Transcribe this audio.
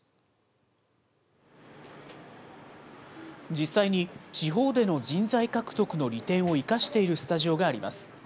実際に、地方での人材獲得の利点を生かしているスタジオがあります。